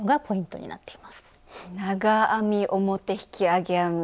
長編み表引き上げ編み。